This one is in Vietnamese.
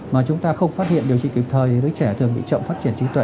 mà chúng ta không phát hiện điều trị kịp thời thì đứa trẻ thường bị chậm phát triển trí tuệ